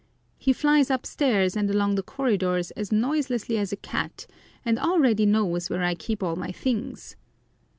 He flies up stairs and along the corridors as noiselessly as a cat, and already knows where I keep all my things.